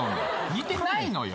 似てないのよ。